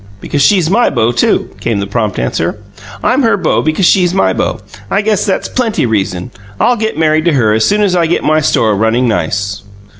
"Because she's my beau, too," came the prompt answer. "I'm her beau because she's my beau; I guess that's plenty reason! I'll get married to her as soon as I get my store running nice."